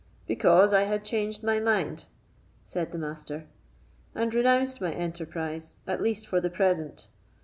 "Because I had changed my mind," said the Master, "and renounced my enterprise, at least for the present.